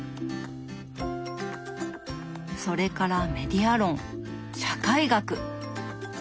それからメディア論社会学！